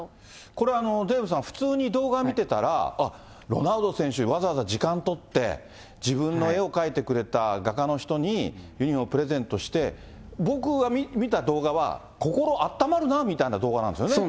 これ、デーブさん、普通に動画見てたら、あっ、ロナウド選手、わざわざ時間取って、自分の絵を描いてくれた画家の人にユニホームプレゼントして、僕が見た動画は心あったまるなあみたいな動画なんですよね。